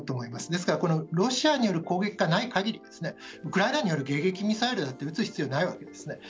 ですから、ロシアによる攻撃でない限りウクライナによる迎撃ミサイルは撃つ必要はないわけですよね。